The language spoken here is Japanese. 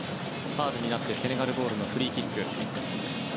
ファウルになってセネガルボールのフリーキック。